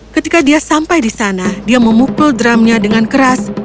ketika dia sampai di sana dia memukul drumnya dengan keras